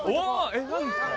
えっ何ですか？